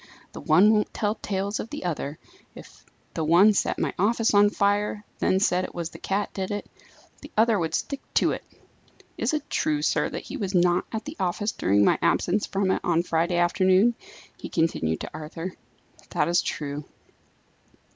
"The one won't tell tales of the other. If the one set my office on fire, and then said it was the cat did it, the other would stick to it. Is it true, sir, that he was not at the office during my absence from it on Friday afternoon?" he continued to Arthur. "That is true."